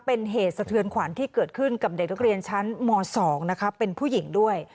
เป็นเหตุสะเทือนขวัญที่เกิดขึ้นกับเด็กนักเรียนชั้นม๒นะคะเป็นผู้หญิงด้วย